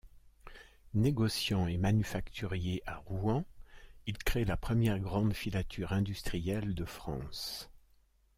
Négociant et manufacturier à Rouen, il crée la première grande filature industrielle de France.